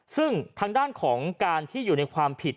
ซึ่งทางด้านของการที่อยู่ในความผิด